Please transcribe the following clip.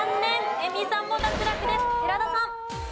寺田さん。